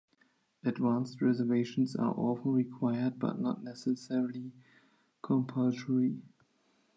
Advance reservations are often required but not necessarily compulsory.